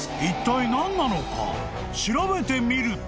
［調べてみると］